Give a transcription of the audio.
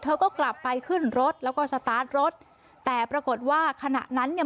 เธอก็กลับไปขึ้นรถแล้วก็สตาร์ทรถแต่ปรากฏว่าขณะนั้นเนี่ย